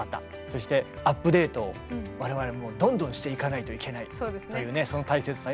そしてアップデートを我々もどんどんしていかないといけない。